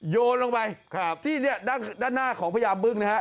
โยนลงไปครับที่เนี่ยด้านหน้าของพญาบึ้งนะฮะ